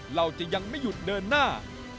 เราจะยังไม่หยุดเดินหน้า